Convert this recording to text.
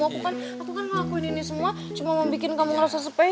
aku kan ngelakuin ini semua cuma mau bikin kamu ngerasa spesial sama aku